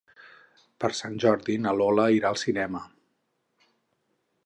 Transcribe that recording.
Per Sant Jordi na Lola irà al cinema.